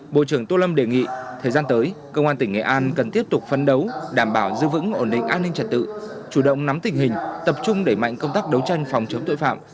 bộ trưởng tô lâm đề nghị thời gian tới công an tỉnh nghệ an cần tiếp tục phấn đấu đảm bảo giữ vững ổn định an ninh trật tự chủ động nắm tình hình tập trung đẩy mạnh công tác đấu tranh phòng chống tội phạm